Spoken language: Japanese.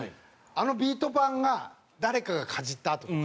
あのビート板が誰かがかじった跡とか。